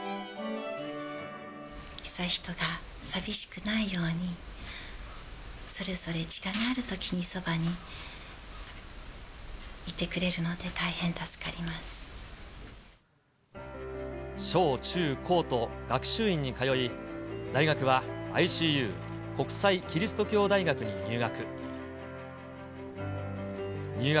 悠仁が寂しくないように、それぞれ時間があるときに、そばにいてくれるので大変助かり小中高と学習院に通い、大学はＩＣＵ・国際基督教大学に入学。